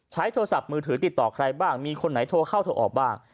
ใช้โทรศัพท์มือถือติดต่อใครบ้างมีคนไหนโทรเข้าโทรออกบ้าง